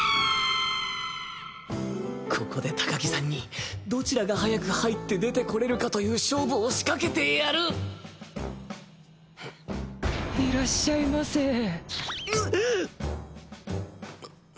ここで高木さんにどちらが速く入って出てこれるかという勝負をいらっしゃいませ。